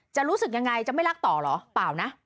รู้สึกยังไงจะไม่รักต่อเหรอเปล่านะ